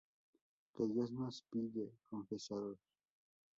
Qué Dios nos pille confesados